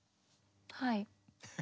はい。